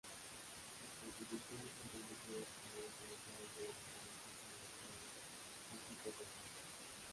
Sus contribuciones han permitido obtener el conocimiento de mecanismos moleculares básicos del cáncer.